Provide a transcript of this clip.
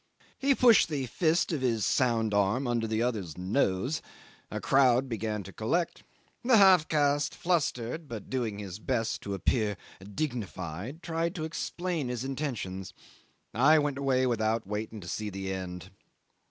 He pushed the fist of his sound arm under the other's nose; a crowd began to collect; the half caste, flustered, but doing his best to appear dignified, tried to explain his intentions. I went away without waiting to see the end.